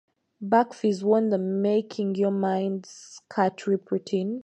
Bucks Fizz won with the "Making Your Mind Up" skirt-rip routine.